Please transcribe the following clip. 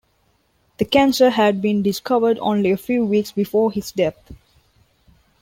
The cancer had been discovered only a few weeks before his death.